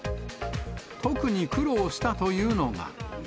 特に苦労したというのが。